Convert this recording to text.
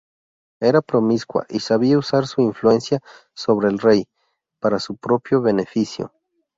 Era promiscua y sabía usar su influencia sobre el rey para su propia beneficio.